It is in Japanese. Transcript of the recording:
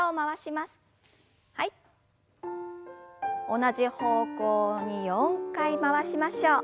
同じ方向に４回回しましょう。